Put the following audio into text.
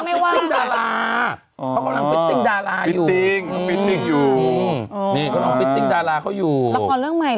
พี่หนุ่มยังไม่ว่าง